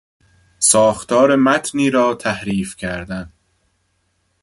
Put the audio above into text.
ساختار متنی را تحریف کردن